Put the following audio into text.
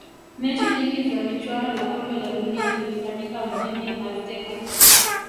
mechi nyingi za michuano la kombe la dunia zilifanyika mjini azteca